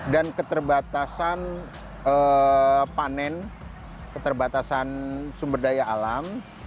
dan keterbatasan panen keterbatasan sumber daya alam